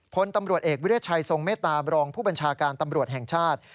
พลตำรวจเอกวิทยาชัยทรงเมตตาบรองผู้บัญชาการตำรวจแห่งชาติ